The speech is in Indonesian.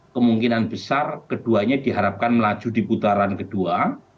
kemungkinan besar keduanya diharapkan melaju di putaran kedua